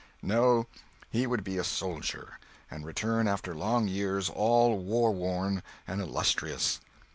No, he would be a soldier, and return after long years, all war worn and illustrious.